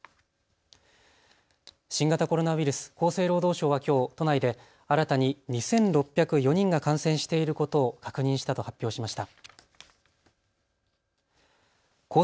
新型コロナウイルス、厚生労働省はきょう都内で新たに２６０４人が感染していることを確認したと発表しました。